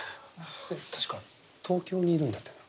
確か東京にいるんだったよな？